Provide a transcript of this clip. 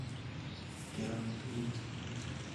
گران دود